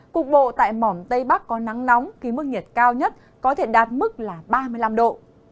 cục bộ tại mỏm tây bắc có nắng nóng khi mức nhiệt cao nhất có thể đạt mức là ba mươi năm độ